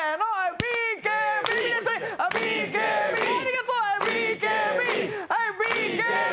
ＢＫＢ！